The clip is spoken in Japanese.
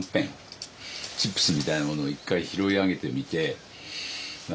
チップスみたいなものを一回拾い上げてみて並べてみて。